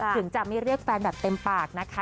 ถึงจะไม่เรียกแฟนแบบเต็มปากนะคะ